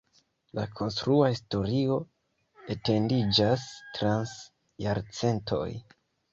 La konstrua historio etendiĝas trans jarcentoj.